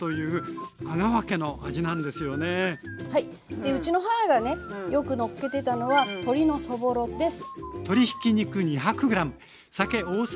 でうちの母がねよくのっけてたのは鶏のそぼろです。